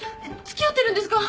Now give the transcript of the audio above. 付き合ってるんですか？